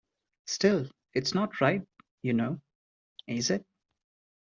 Still, it's not right, you know; is it?